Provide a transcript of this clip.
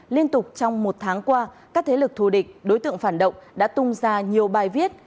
liên tục trong một tháng qua các thế lực thù địch đối tượng phản động đã tung ra nhiều bài viết